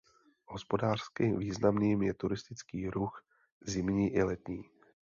Hospodářsky významným je turistický ruch zimní i letní.